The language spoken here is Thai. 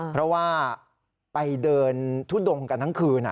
เพราะว่าไปเดินทุดงกันทั้งคืน